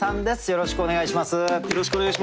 よろしくお願いします。